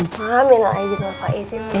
ma minal aja masalah ini